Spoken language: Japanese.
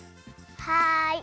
はい！